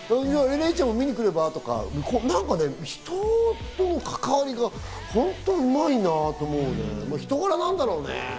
レイちゃんも見に来れば？とか、人との関わりが本当にうまいなと思って人柄なんだろうね。